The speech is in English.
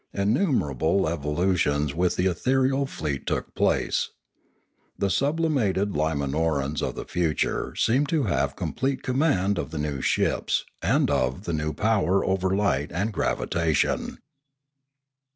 Innumerable evolu tions with the ethereal fleet took place. The sublimated Limanorans of the future seemed to have complete command of the new ships and of the new power over light and gravitation.